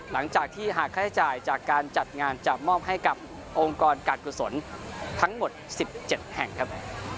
หลังจากที่หากค่าใช้จ่ายจากการจัดงานจะมอบให้กับองค์กรการกุศลทั้งหมด๑๗แห่งครับ